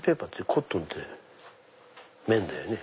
コットンって綿だよね。